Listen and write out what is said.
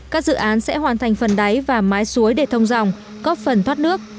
các dự án sẽ hoàn thành phần đáy và mái suối để thông dòng góp phần thoát nước